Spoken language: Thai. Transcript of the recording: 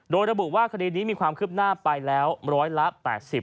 โดยระบุว่าคดีนี้มีความคืบหน้าไปแล้วร้อยละ๘๐